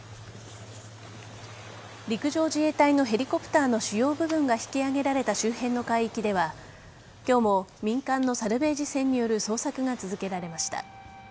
陸上自衛隊のヘリコプターの主要部分が引き揚げられた周辺の海域では今日も民間のサルベージ船による捜索が続けられました。